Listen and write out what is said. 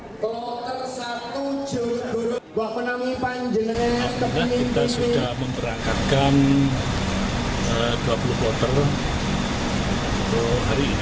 kota tujuh belas buah penami panjeneng